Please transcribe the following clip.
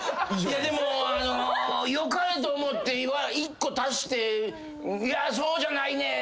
でもあのよかれと思って１個足していやそうじゃないねん！